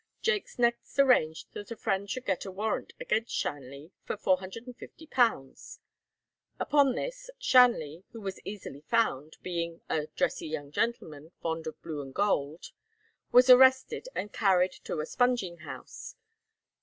Jaques next arranged that a friend should get a warrant against Shanley for £450. Upon this, Shanley, who was easily found, being a "dressy young gentleman, fond of blue and gold," was arrested and carried to a spunging house.